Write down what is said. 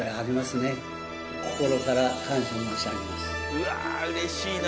うわうれしいな。